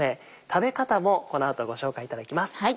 食べ方もこの後ご紹介いただきます。